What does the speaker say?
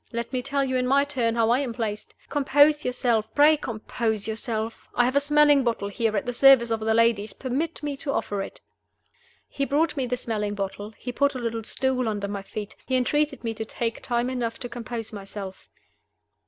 Let me tell you, in my turn, how I am placed. Compose yourself pray compose yourself! I have a smelling bottle here at the service of the ladies. Permit me to offer it." He brought me the smelling bottle; he put a little stool under my feet; he entreated me to take time enough to compose myself.